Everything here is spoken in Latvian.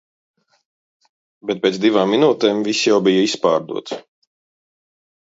Bet pēc divām minūtēm viss jau bija izpārdots.